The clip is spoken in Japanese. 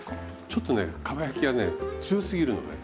ちょっとねかば焼きがね強すぎるのね。